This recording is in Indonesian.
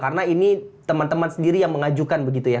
karena ini teman teman sendiri yang mengajukan begitu ya